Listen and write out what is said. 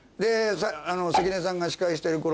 関根さんが司会してるころ